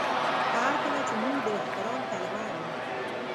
هر کله چې موږ د احترام کلمه اورو